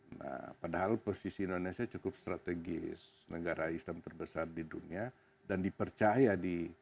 nah padahal posisi indonesia cukup strategis negara islam terbesar di dunia dan dipercaya di